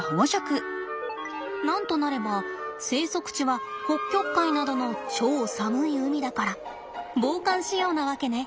なんとなれば生息地は北極海などの超寒い海だから防寒仕様なわけね。